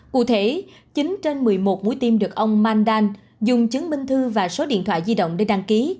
cụ thể chín trên một mươi một mũi tiêm được ông mandan dùng chứng minh thư và số điện thoại